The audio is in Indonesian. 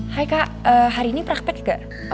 hai kak hari ini prakpet nggak